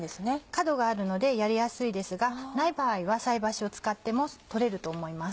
角があるのでやりやすいですがない場合は菜箸を使っても取れると思います。